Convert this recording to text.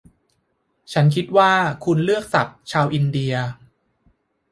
ฉันคิดว่าคุณเลือกศัพท์ชาวอินเดีย